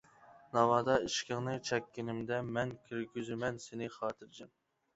-ناۋادا ئىشىكىڭنى چەككىنىمدە مەن. -كىرگۈزىمەن سېنى خاتىرجەم.